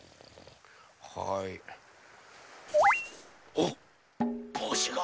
あっぼうしが。